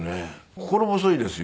心細いですよ。